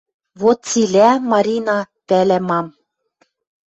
Вот цилӓ, Марина пӓлӓ мам...